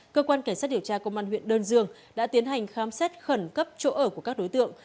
cơ quan cảnh sát điều tra công an huyện đơn dương đã tiến hành khám xét khẩn cấp chỗ ở của các đối tượng